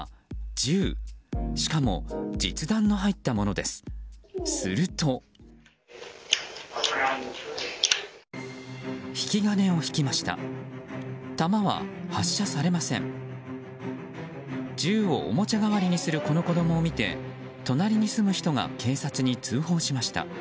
銃をおもちゃ代わりにするこの子供を見て隣に住む人が警察に通報しました。